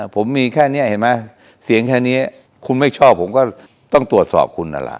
ผมมีแค่นี้เห็นไหมเสียงแค่นี้คุณไม่ชอบผมก็ต้องตรวจสอบคุณนั่นแหละ